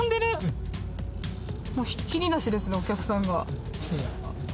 もうひっきりなしですねお客さんが。